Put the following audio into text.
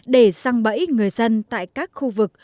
để săn bẫy người dân tại các khu vực